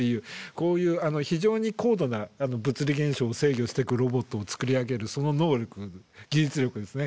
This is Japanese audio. こういう非常に高度な物理現象を制御してくロボットを作り上げるその能力技術力ですね